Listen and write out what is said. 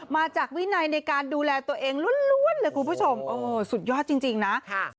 มาจากวินัยในการดูแลตัวเองล้วนเลยคุณผู้ชมเออสุดยอดจริงนะ